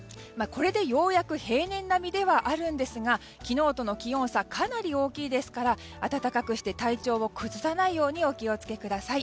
これでようやく平年並みではあるんですが昨日との気温差がかなり大きいですから暖かくして体調を崩さないようにお気を付けください。